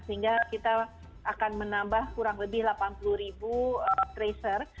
sehingga kita akan menambah kurang lebih delapan puluh ribu tracer